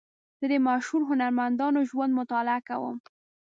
زه د مشهورو هنرمندانو ژوند مطالعه کوم.